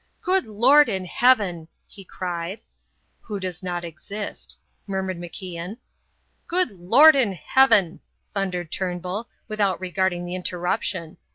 "Good Lord in heaven!" he cried "Who does not exist," murmured MacIan. "Good Lord in heaven!" thundered Turnbull, without regarding the interruption.